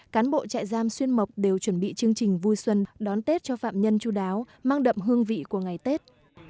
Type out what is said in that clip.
cán bộ trại giam xuyên mộc đều chuẩn bị chương trình vui xuân đón tết cho phạm nhân chú đáo mang đậm hương vị của ngày tết